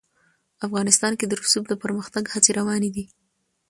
افغانستان کې د رسوب د پرمختګ هڅې روانې دي.